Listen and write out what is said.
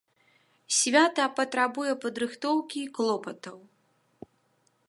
Свята патрабуе падрыхтоўкі і клопатаў.